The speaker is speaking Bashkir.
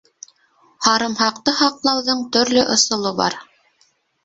— Һарымһаҡты һаҡлауҙың төрлө ысулы бар.